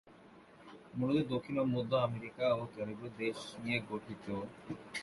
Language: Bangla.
মূলত দক্ষিণ ও মধ্য আমেরিকা ও কারিবীয় দেশ নিয়ে গঠিত।